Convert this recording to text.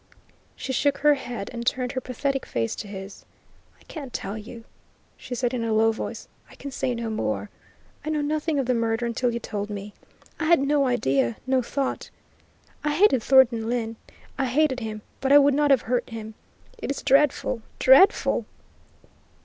She shook her head and turned her pathetic face to his. "I can't tell you," she said in a low voice. "I can say no more. I knew nothing of the murder until you told me. I had no idea, no thought.... I hated Thornton Lyne, I hated him, but I would not have hurt him ... it is dreadful, dreadful!"